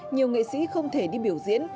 nhiều nghệ sĩ không thể đi biểu diễn